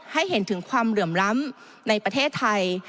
ให้เห็นถึงความเหลื่อมล้ำในประเทศไทย